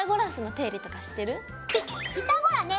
ピピタゴラね